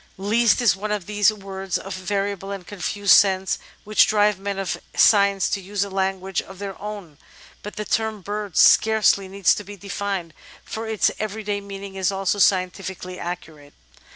'^east" is one of those words of variable and confused sense which drive men of science to use a language of their own, but the term "bird" scarcely needs to be defined, for its everyday meaning is also scientifically accurate.